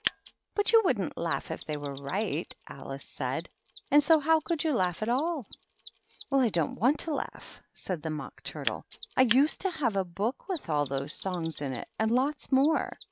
" But you wouldn't laugh if they were right," Alice said; "and so how could you laugh at all ?"" Well, I don't want to laugh," said the Mock Turtle. " I used to have a book with all those songs in it, and lots more.